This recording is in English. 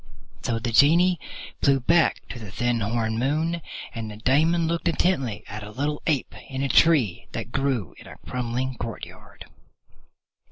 So the Genie flew back to the thin horned moon, and the Daemon looked intently at a little ape in a tree that grew in a crumbling courtyard.